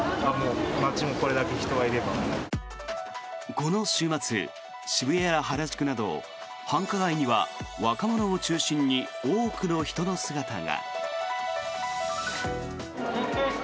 この週末渋谷や原宿など繁華街には若者を中心に多くの人の姿が。